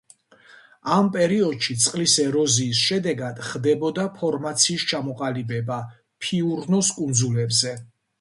ამ პერიოდში წყლის ეროზიის შედეგად ხდებოდა ფორმაციის ჩამოყალიბება ფიურნოს კუნძულებზე.